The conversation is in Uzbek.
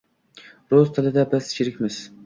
Rus tilida biz sherikmiz